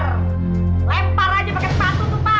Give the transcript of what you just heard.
lempar aja pakai sepatu tumpang